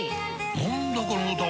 何だこの歌は！